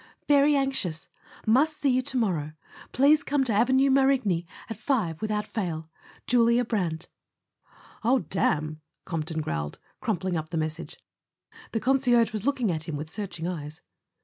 "Very anxious. Must see you to morrow. Please come to Avenue Marigny at five without fail. Julia Brant." "Oh, damn," Campton growled, crumpling up the message. The concierge was looking at him with searching eyes.